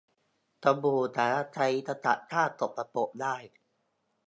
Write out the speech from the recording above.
สบู่สามารถใช้ขจัดคราบสกปรกได้